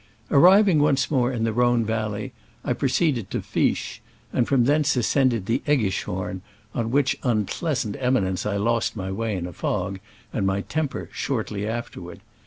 Arriving once more in the Rhone valley, I proceeded to Viesch, and from thence ascended the ^^Eggischhorn, on which unpleas ant eminence I lost my way in a fog, and my temper shortly afterward.